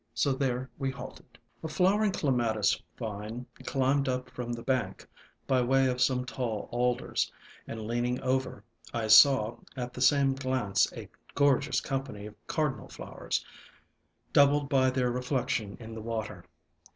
So there we halted. A flowering Clematis vine climbed up from the bank by way of some tall Alders, and leaning over, I saw at the same glance a gorgeous company of Cardinal Flowers, doubled by their reflection in the water.